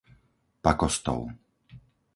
Pakostov